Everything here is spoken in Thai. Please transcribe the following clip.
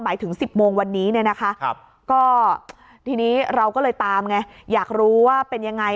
หมายถึง๑๐โมงวันนี้เนี่ยนะคะก็ทีนี้เราก็เลยตามไงอยากรู้ว่าเป็นยังไง